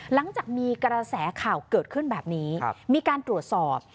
หลังจากมีกระแสข่าวเกิดขึ้นแบบนี้มีการตรวจสอบ